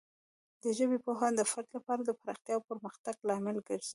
د ژبې پوهه د فرد لپاره د پراختیا او پرمختګ لامل ګرځي.